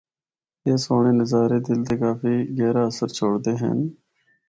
اے سہنڑ نظارے دل تے کافی گہرا اثر چھوڑدے ہن۔